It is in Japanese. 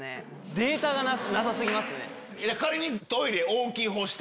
データがなさ過ぎます